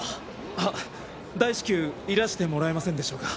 はっ大至急いらしてもらえませんでしょうか？